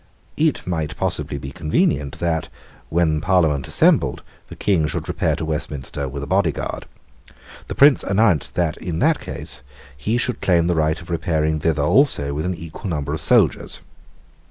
It might possibly be convenient that, when the Parliament assembled, the King should repair to Westminster with a body guard. The Prince announced that, in that case, he should claim the right of repairing thither also with an equal number of soldiers.